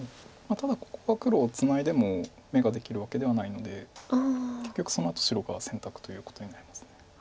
ただここは黒ツナいでも眼ができるわけではないので結局そのあと白が選択ということになります。